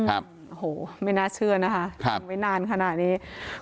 โอ้โหไม่น่าเชื่อนะคะทำไว้นานขนาดนี้